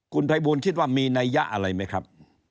คุณภัยบูลคิดว่ามีนัยยะอะไรไหมครับ